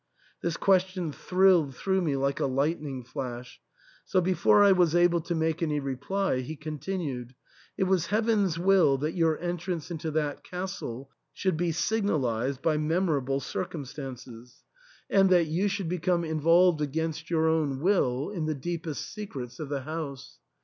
This question thrilled through me like a lightning flash, so before I was able to make any reply he continued, " It was Heaven's will that your entrance into that castle should be signalised by memorable circumstances, and that 274 THE ENTAIL. you should become involved against your own will in the deepest secrets of the house.